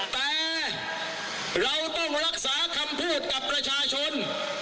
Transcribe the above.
แต่เราต้องรักษาคำพูดกับประชาชน